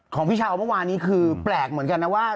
ของพี่เช้าเมื่อวานนี้คือแปลกเหมือนกันนะว่า